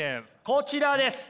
こちらです！